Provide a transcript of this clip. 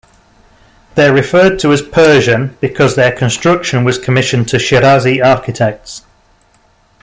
They are referred to as "Persian" because their construction was commissioned to Shirazi architects.